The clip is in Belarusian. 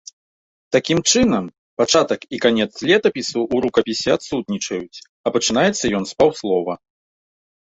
Такім чынам, пачатак і канец летапісу ў рукапісе адсутнічаюць, а пачынаецца ён з паўслова.